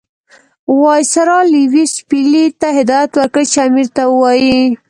وایسرا لیویس پیلي ته هدایت ورکړ چې امیر ته ووایي.